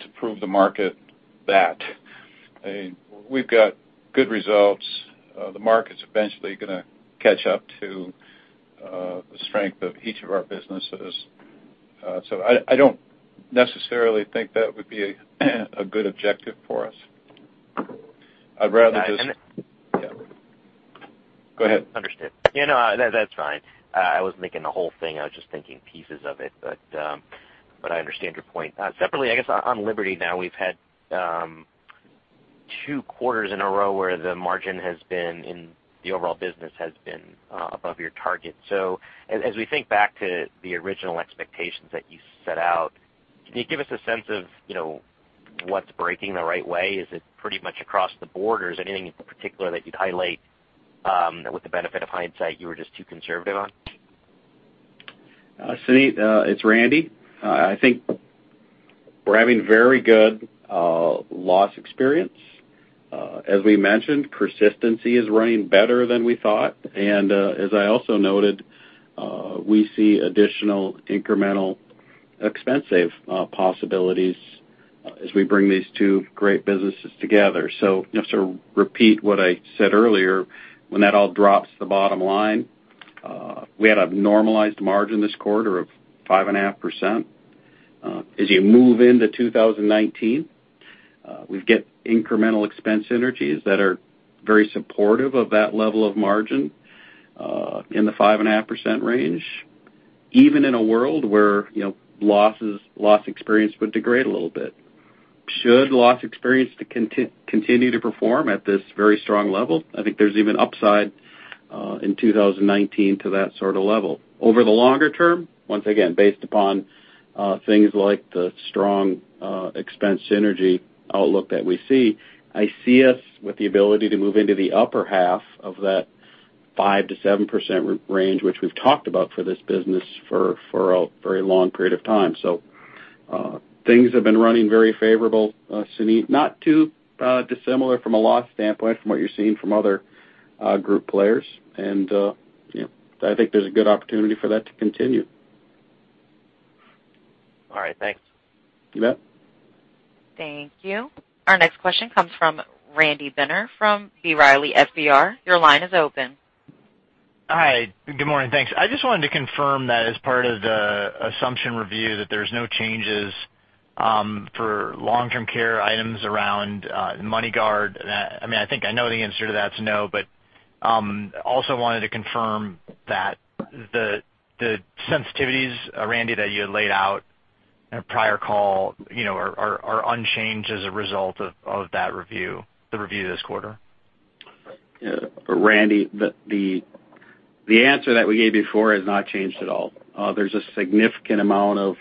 to prove the market that. We've got good results. The market's eventually going to catch up to the strength of each of our businesses. I don't necessarily think that would be a good objective for us. I'd rather just- And then- Yeah. Go ahead. Understood. Yeah, no, that's fine. I wasn't making a whole thing. I was just thinking pieces of it, but I understand your point. Separately, I guess on Liberty now, we've had two quarters in a row where the margin in the overall business has been above your target. As we think back to the original expectations that you set out, can you give us a sense of what's breaking the right way? Is it pretty much across the board? Is there anything in particular that you'd highlight with the benefit of hindsight you were just too conservative on? Suneet, it's Randy. I think we're having very good loss experience. As we mentioned, persistency is running better than we thought, and as I also noted, we see additional incremental expense save possibilities as we bring these two great businesses together. Just to repeat what I said earlier, when that all drops to the bottom line We had a normalized margin this quarter of 5.5%. As you move into 2019, we get incremental expense synergies that are very supportive of that level of margin in the 5.5% range, even in a world where loss experience would degrade a little bit. Should loss experience continue to perform at this very strong level, I think there's even upside in 2019 to that sort of level. Over the longer term, once again, based upon things like the strong expense synergy outlook that we see, I see us with the ability to move into the upper half of that 5%-7% range, which we've talked about for this business for a very long period of time. Things have been running very favorable, Suneet, not too dissimilar from a loss standpoint from what you're seeing from other group players. I think there's a good opportunity for that to continue. All right. Thanks. You bet. Thank you. Our next question comes from Randy Binner from B. Riley FBR. Your line is open. Hi. Good morning. Thanks. I just wanted to confirm that as part of the assumption review, that there's no changes for long-term care items around MoneyGuard. I think I know the answer to that's no, but also wanted to confirm that the sensitivities, Randy, that you had laid out in a prior call are unchanged as a result of that review, the review this quarter. Randy, the answer that we gave before has not changed at all. There's a significant amount of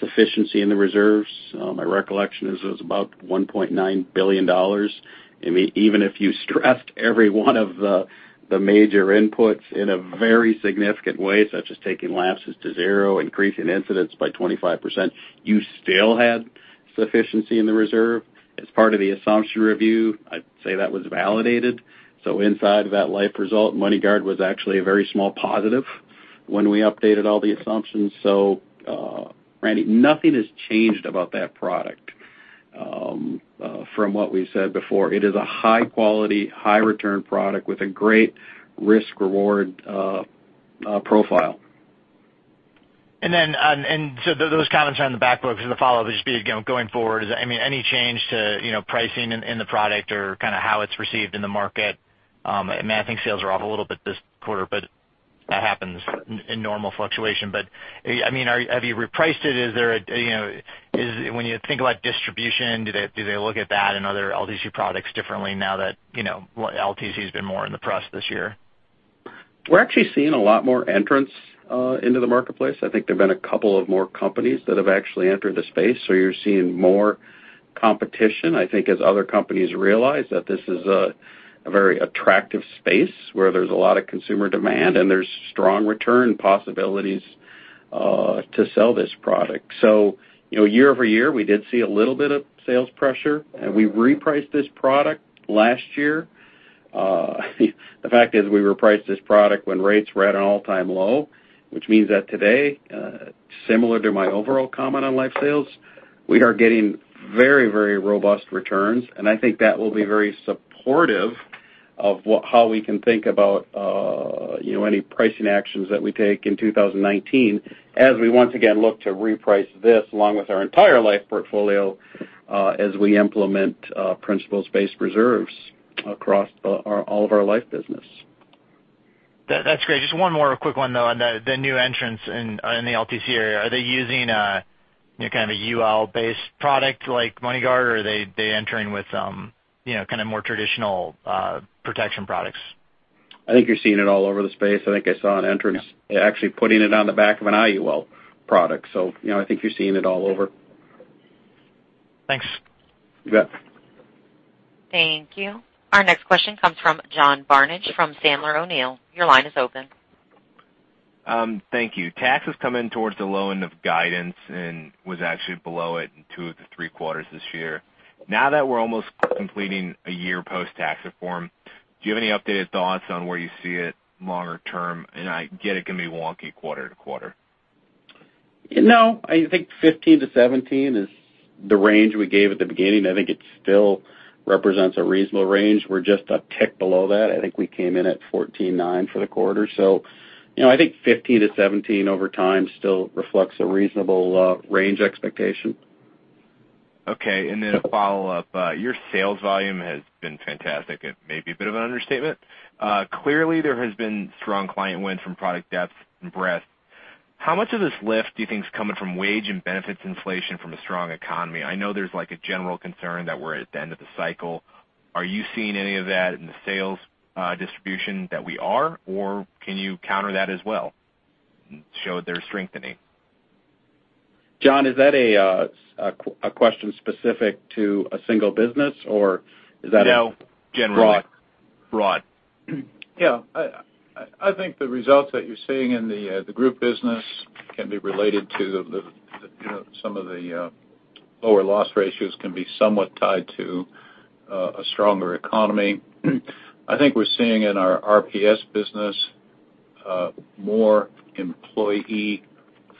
sufficiency in the reserves. My recollection is it was about $1.9 billion. Even if you stressed every one of the major inputs in a very significant way, such as taking lapses to zero, increasing incidents by 25%, you still had sufficiency in the reserve. As part of the assumption review, I'd say that was validated. Inside that life result, MoneyGuard was actually a very small positive when we updated all the assumptions. Randy, nothing has changed about that product from what we said before. It is a high-quality, high-return product with a great risk-reward profile. Those comments are on the back burner because the follow-up would just be, going forward, any change to pricing in the product or kind of how it's received in the market? I think sales are off a little bit this quarter, but that happens in normal fluctuation. Have you repriced it? When you think about distribution, do they look at that and other LTC products differently now that LTC has been more in the press this year? We're actually seeing a lot more entrants into the marketplace. I think there've been a couple of more companies that have actually entered the space. You're seeing more competition, I think, as other companies realize that this is a very attractive space where there's a lot of consumer demand, and there's strong return possibilities to sell this product. Year-over-year, we did see a little bit of sales pressure, and we repriced this product last year. The fact is we repriced this product when rates were at an all-time low, which means that today, similar to my overall comment on life sales, we are getting very robust returns. I think that will be very supportive of how we can think about any pricing actions that we take in 2019 as we once again look to reprice this along with our entire life portfolio as we implement principles-based reserves across all of our life business. That's great. Just one more quick one, though, on the new entrants in the LTC area. Are they using a kind of UL-based product like MoneyGuard, or are they entering with kind of more traditional protection products? I think you're seeing it all over the space. I think I saw an entrance actually putting it on the back of an IUL product. I think you're seeing it all over. Thanks. You bet. Thank you. Our next question comes from John Barnidge from Sandler O'Neill + Partners. Your line is open. Thank you. Tax has come in towards the low end of guidance and was actually below it in two of the three quarters this year. Now that we're almost completing a year post-Tax Reform, do you have any updated thoughts on where you see it longer term? I get it can be wonky quarter to quarter. No, I think 15% to 17% is the range we gave at the beginning. I think it still represents a reasonable range. We're just a tick below that. I think we came in at 14.9% for the quarter. I think 15% to 17% over time still reflects a reasonable range expectation. Okay, a follow-up. Your sales volume has been fantastic. It may be a bit of an understatement. Clearly, there has been strong client wins from product depth and breadth. How much of this lift do you think is coming from wage and benefits inflation from a strong economy? I know there's like a general concern that we're at the end of the cycle. Are you seeing any of that in the sales distribution that we are, or can you counter that as well and show they're strengthening? John, is that a question specific to a single business, or is that No, generally broad? Broad. Yeah. I think the results that you're seeing in the group business can be related to some of the lower loss ratios can be somewhat tied to a stronger economy. I think we're seeing in our RPS business more employee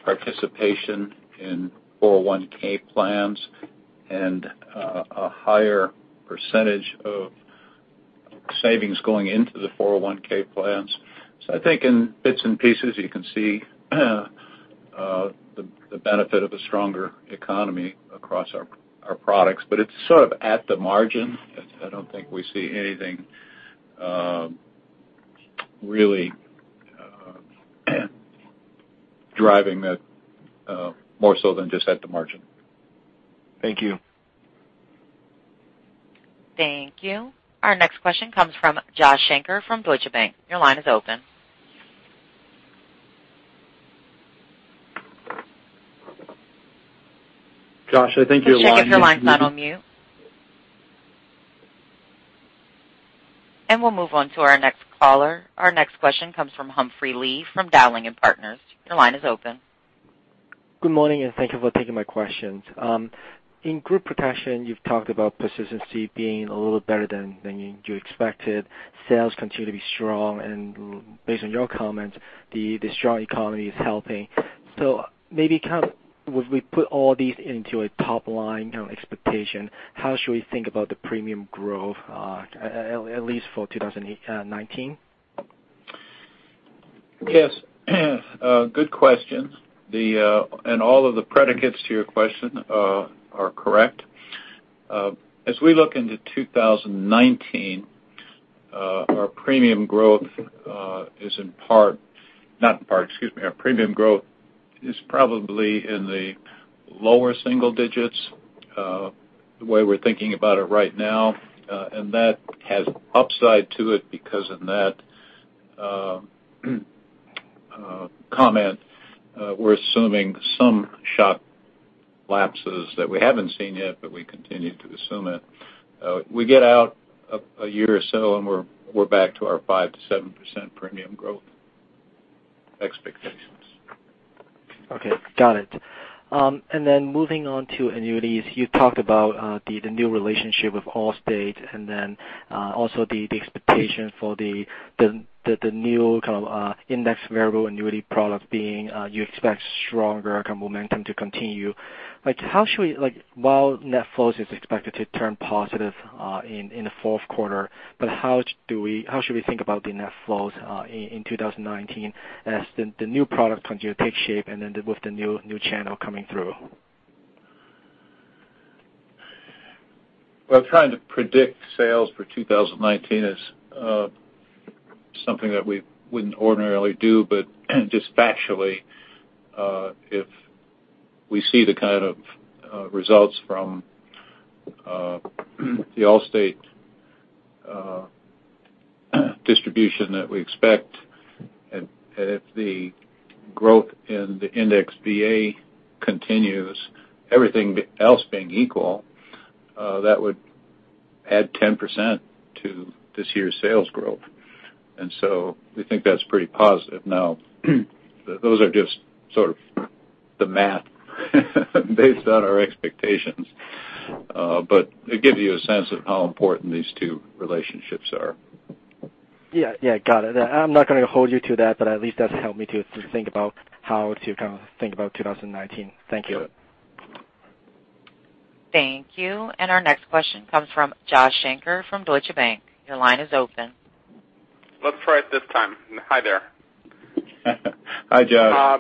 participation in 401(k) plans and a higher percentage of Savings going into the 401(k) plans. I think in bits and pieces, you can see the benefit of a stronger economy across our products. It's sort of at the margin. I don't think we see anything really driving that more so than just at the margin. Thank you. Thank you. Our next question comes from Joshua Shanker from Deutsche Bank. Your line is open. Josh, I think your line is. Josh, I think your line's not on mute. We'll move on to our next caller. Our next question comes from Humphrey Lee from Dowling & Partners. Your line is open. Good morning, and thank you for taking my questions. In group protection, you've talked about persistency being a little better than you expected. Sales continue to be strong, and based on your comments, the strong economy is helping. Maybe, would we put all these into a top-line expectation? How should we think about the premium growth, at least for 2019? Yes. Good question. All of the predicates to your question are correct. As we look into 2019, our premium growth is probably in the lower single digits, the way we're thinking about it right now. That has upside to it because in that comment, we're assuming some shock lapses that we haven't seen yet, but we continue to assume it. We get out a year or so, and we're back to our 5%-7% premium growth expectations. Okay. Got it. Moving on to annuities. You talked about the new relationship with Allstate and then also the expectation for the new indexed variable annuity product being, you expect stronger momentum to continue. While net flows is expected to turn positive in the fourth quarter, how should we think about the net flows in 2019 as the new product continues to take shape and then with the new channel coming through? Well, trying to predict sales for 2019 is something that we wouldn't ordinarily do, but just factually, if we see the kind of results from the Allstate distribution that we expect, and if the growth in the Indexed VA continues, everything else being equal, that would add 10% to this year's sales growth. We think that's pretty positive. Now, those are just the math based on our expectations. It gives you a sense of how important these two relationships are. Yeah. Got it. I'm not going to hold you to that, but at least that's helped me to think about how to kind of think about 2019. Thank you. Sure. Thank you. Our next question comes from Joshua Shanker from Deutsche Bank. Your line is open. Let's try it this time. Hi there. Hi, Josh. Hi.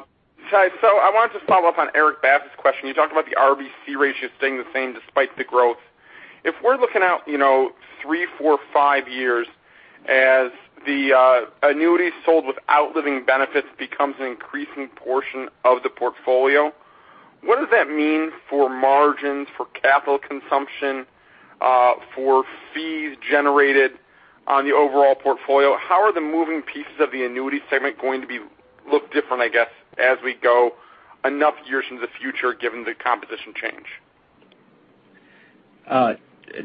I wanted to follow up on Erik Bass's question. You talked about the RBC ratio staying the same despite the growth. If we're looking out three, four, five years as the annuities sold without living benefits becomes an increasing portion of the portfolio, what does that mean for margins, for capital consumption, for fees generated on the overall portfolio? How are the moving pieces of the annuity segment going to look different, I guess, as we go enough years into the future given the competition change?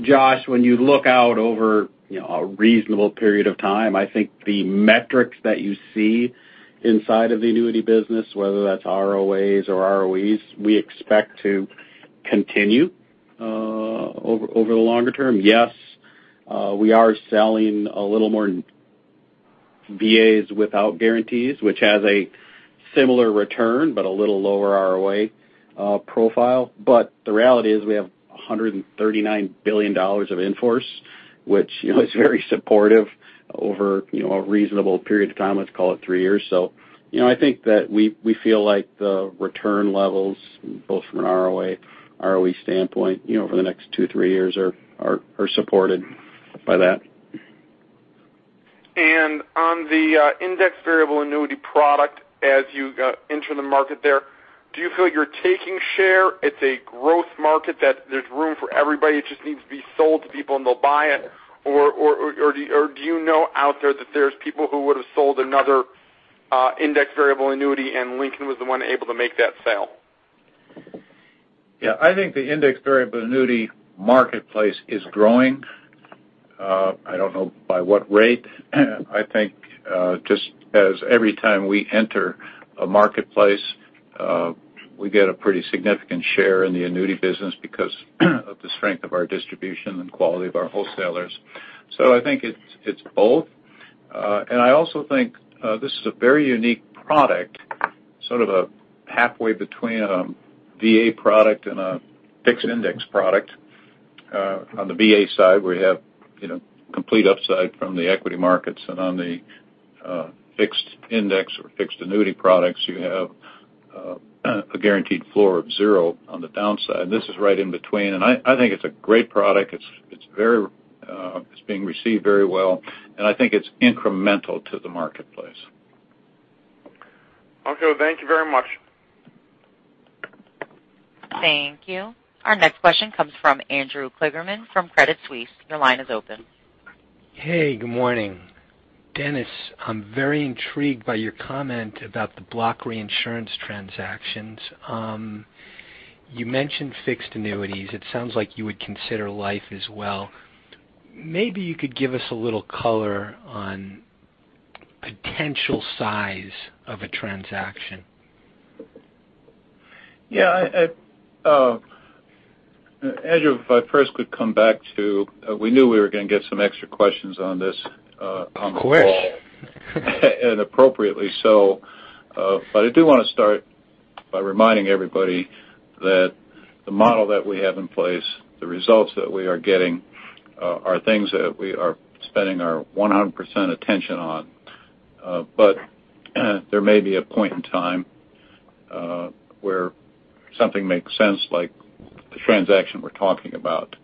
Josh, when you look out over a reasonable period of time, I think the metrics that you see inside of the annuity business, whether that's ROAs or ROEs, we expect to continue over the longer term. Yes, we are selling a little more VAs without guarantees, which has a similar return, but a little lower ROA profile. The reality is we have $139 billion of in-force, which is very supportive over a reasonable period of time, let's call it three years. I think that we feel like the return levels, both from an ROA, ROE standpoint for the next two, three years are supported by that. On the index variable annuity product, as you enter the market there, do you feel you're taking share, it's a growth market that there's room for everybody, it just needs to be sold to people and they'll buy it? Or do you know out there that there's people who would have sold another index variable annuity and Lincoln was the one able to make that sale? Yeah. I think the index variable annuity marketplace is growing. I don't know by what rate. I think just as every time we enter a marketplace, we get a pretty significant share in the annuity business because of the strength of our distribution and quality of our wholesalers. I think it's both. I also think this is a very unique product, sort of a halfway between a VA product and a fixed index product. On the VA side, we have complete upside from the equity markets, and on the fixed index or fixed annuity products, you have a guaranteed floor of zero on the downside. This is right in between, and I think it's a great product. It's being received very well, and I think it's incremental to the marketplace. Okay, thank you very much. Thank you. Our next question comes from Andrew Kligerman from Credit Suisse. Your line is open. Hey, good morning. Dennis, I'm very intrigued by your comment about the block reinsurance transactions. You mentioned fixed annuities. It sounds like you would consider life as well. Maybe you could give us a little color on potential size of a transaction. Yeah. Andrew, if I first could come back to, we knew we were going to get some extra questions on this on the call. Of course. Appropriately so. I do want to start by reminding everybody that the model that we have in place, the results that we are getting, are things that we are spending our 100% attention on. There may be a point in time where something makes sense, like the transaction we're talking about.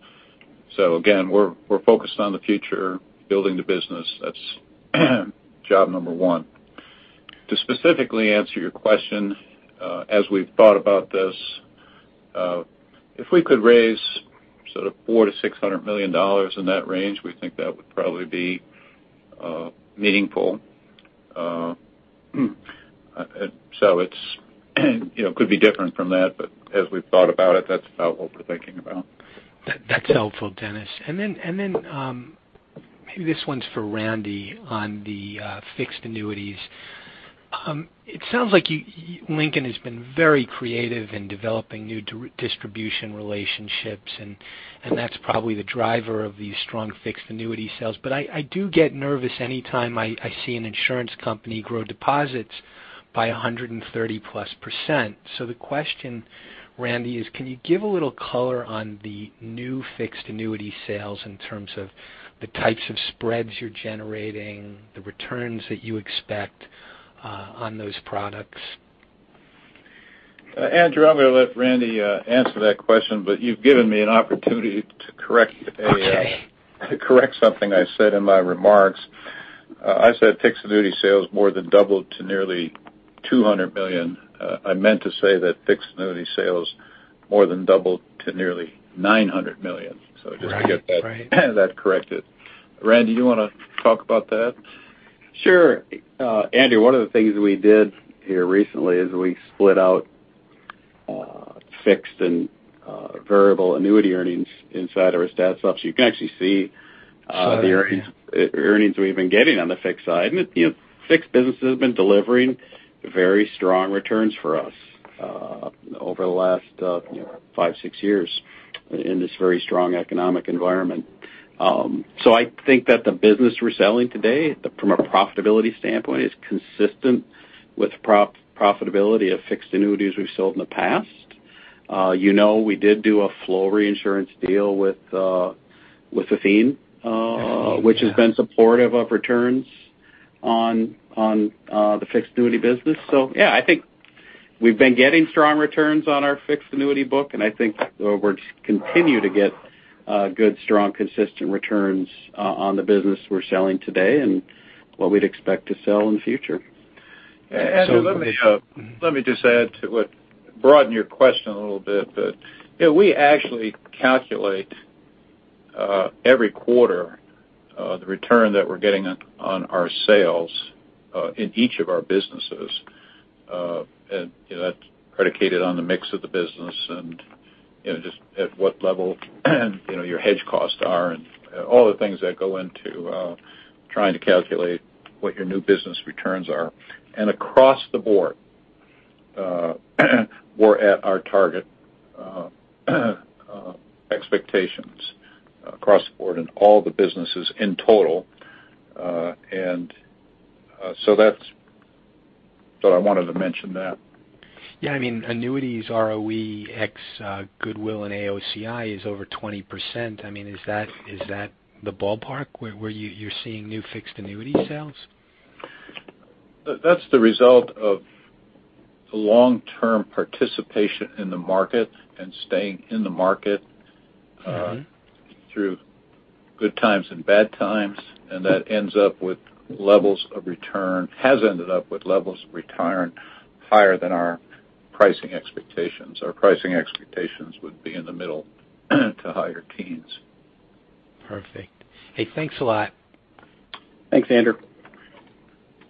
Again, we're focused on the future, building the business. That's job number one. To specifically answer your question, as we've thought about this, if we could raise sort of $400 million-$600 million, in that range, we think that would probably be meaningful. It could be different from that, but as we've thought about it, that's about what we're thinking about. That's helpful, Dennis. Then, maybe this one's for Randy on the fixed annuities. It sounds like Lincoln has been very creative in developing new distribution relationships, and that's probably the driver of the strong fixed annuity sales. I do get nervous anytime I see an insurance company grow deposits by 130%+. The question, Randy, is can you give a little color on the new fixed annuity sales in terms of the types of spreads you're generating, the returns that you expect on those products? Andrew, I'm going to let Randy answer that question. You've given me an opportunity to correct something I said in my remarks. I said fixed annuity sales more than doubled to nearly $200 million. I meant to say that fixed annuity sales more than doubled to nearly $900 million. Right. Just to get that corrected. Randy, you want to talk about that? Sure. Andrew, one of the things we did here recently is we split out fixed and variable annuity earnings inside our stat supplement. You can actually see the earnings we've been getting on the fixed side. The fixed business has been delivering very strong returns for us over the last five, six years in this very strong economic environment. I think that the business we're selling today from a profitability standpoint is consistent with profitability of fixed annuities we've sold in the past. We did do a flow reinsurance deal with Athene, which has been supportive of returns on the fixed annuity business. Yeah, I think we've been getting strong returns on our fixed annuity book, and I think we'll continue to get good, strong, consistent returns on the business we're selling today and what we'd expect to sell in the future. Andrew, let me just add to it, broaden your question a little bit, we actually calculate every quarter the return that we're getting on our sales, in each of our businesses. That's predicated on the mix of the business and just at what level your hedge costs are, and all the things that go into trying to calculate what your new business returns are. Across the board, we're at our target expectations across the board in all the businesses in total. I wanted to mention that. Yeah. Annuities ROE ex goodwill and AOCI is over 20%. Is that the ballpark where you're seeing new fixed annuity sales? That's the result of long-term participation in the market and staying in the market through good times and bad times. That ends up with levels of return, has ended up with levels of return higher than our pricing expectations. Our pricing expectations would be in the middle to higher teens. Perfect. Hey, thanks a lot. Thanks, Andrew.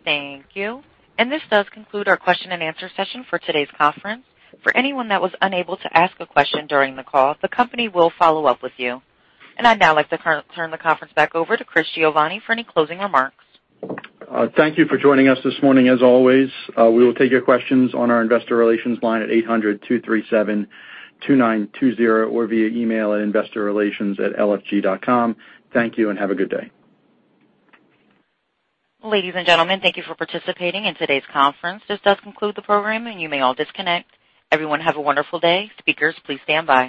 Thank you. This does conclude our question and answer session for today's conference. For anyone that was unable to ask a question during the call, the company will follow up with you. I'd now like to turn the conference back over to Chris Giovanni for any closing remarks. Thank you for joining us this morning, as always. We will take your questions on our investorrelations@lfg.com. Thank you and have a good day. Ladies and gentlemen, thank you for participating in today's conference. This does conclude the program, and you may all disconnect. Everyone have a wonderful day. Speakers, please stand by.